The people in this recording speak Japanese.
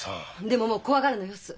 でももう怖がるのよす！